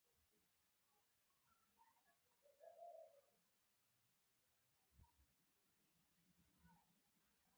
موږ خپل کلتور ساتو